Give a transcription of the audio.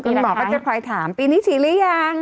หมอบัจจัยภายถามปีนี้ฉีดหรือยัง